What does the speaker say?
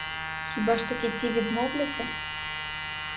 Хіба ж таки ці відмовляться?